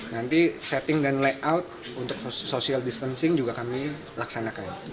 nanti setting dan layout untuk social distancing juga kami laksanakan